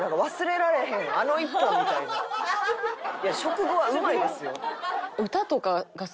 いや食後はうまいですよ。